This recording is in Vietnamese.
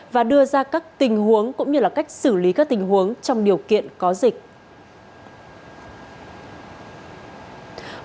và đưa ra các tình huống cũng như cách xử lý các tình huống trong điều kiện có dịch